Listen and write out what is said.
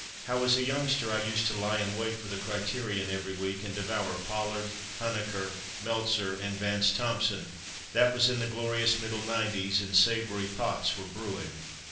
How, as a youngster, I used to lie in wait for the Criterion every week, and devour Pollard, Huneker, Meltzer and Vance Thompson! That was in the glorious middle nineties and savory pots were brewing.